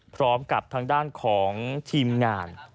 พร้อมกับทางด้านของทีมงาน